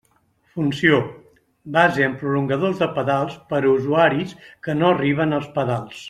Funció: base amb prolongadors de pedals per a usuaris que no arriben als pedals.